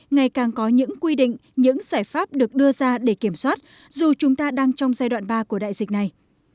ngày càng có những quy định những giải pháp được đưa ra để kiểm soát dù chúng ta đang trong giai đoạn ba của đại dịch này